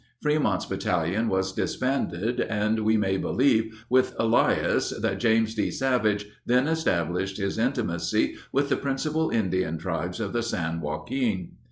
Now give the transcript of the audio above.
Frémont's battalion was disbanded, and we may believe, with Elias, that James D. Savage then established his intimacy with the principal Indian tribes of the San Joaquin.